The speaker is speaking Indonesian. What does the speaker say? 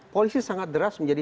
polisi sangat deras menjadi